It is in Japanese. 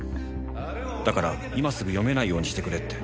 だから今すぐ読めないようにしてくれって。